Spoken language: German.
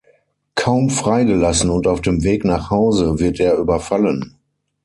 Kaum freigelassen und auf dem Weg nach Hause, wird er überfallen.